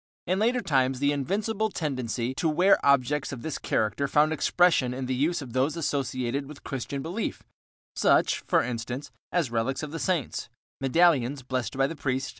In later times the invincible tendency to wear objects of this character found expression in the use of those associated with Christian belief, such, for instance, as relics of the saints, medallions blessed by the priest, etc.